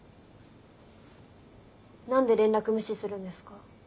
何で連絡無視するんですか？